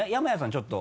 ちょっと。